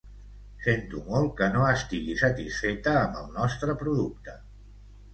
Sento molt que no estigui satisfeta amb el nostre producte.